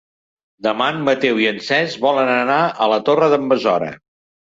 Demà en Mateu i en Cesc volen anar a la Torre d'en Besora.